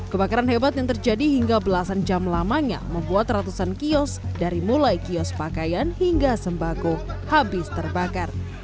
kebakaran hebat yang terjadi hingga belasan jam lamanya membuat ratusan kios dari mulai kios pakaian hingga sembako habis terbakar